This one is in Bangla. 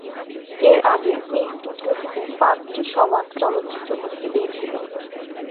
এর আগে এই স্টুডিও থেকে পাঁচটি সবাক চলচ্চিত্র মুক্তি পেয়েছিল।